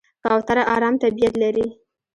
کوتره آرام طبیعت لري.